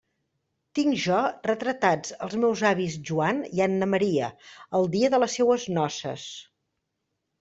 Tinc jo retratats els meus avis Joan i Anna Maria, el dia de les seues noces.